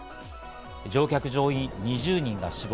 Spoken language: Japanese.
乗客乗員２０人が死亡。